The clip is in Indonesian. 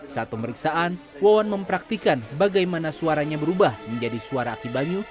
saat pemeriksaan wawan mempraktikan bagaimana suaranya berubah menjadi suara aki banyu